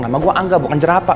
nama gue angga bukan jerapa